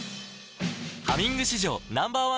「ハミング」史上Ｎｏ．１